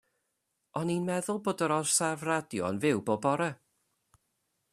O'n i'n meddwl bod yr orsaf radio yn fyw bob bore?